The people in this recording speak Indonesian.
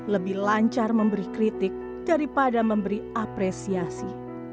lebih lancar memberi kritik daripada memberi apresiasi